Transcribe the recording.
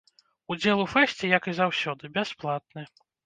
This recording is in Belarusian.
Удзел у фэсце, як і заўсёды, бясплатны.